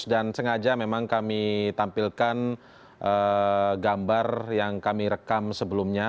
dan sengaja memang kami tampilkan gambar yang kami rekam sebelumnya